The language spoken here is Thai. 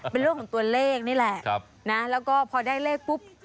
เป็นเรื่องของตัวเลขนี่แหละนะแล้วก็พอได้เลขปุ๊บ